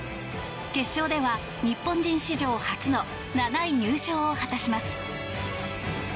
決勝では日本人史上初の７位入賞を果たします。